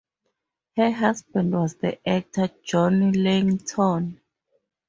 Her husband was the actor John Leighton.